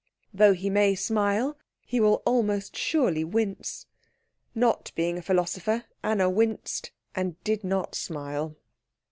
Though he may smile, he will almost surely wince. Not being a philosopher, Anna winced and did not smile.